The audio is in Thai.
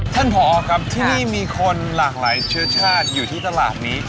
ผอครับที่นี่มีคนหลากหลายเชื้อชาติอยู่ที่ตลาดนี้